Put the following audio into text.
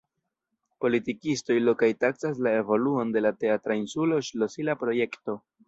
Politikistoj lokaj taksas la evoluon de la Teatra insulo ŝlosila projekto.